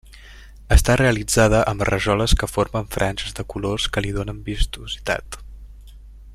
Està realitzada amb rajoles que formen franges de colors que li donen vistositat.